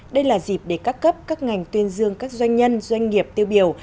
đây là dịp để các cấp các ngành tuyên dương các doanh nhân doanh nghiệp tiêu biểu